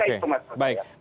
saya rasa itu masalahnya